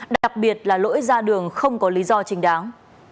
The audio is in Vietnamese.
đặc biệt là lỗi ra đường không có lý do chính đáng